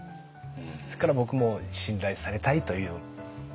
それから僕も信頼されたいという思いが強いので。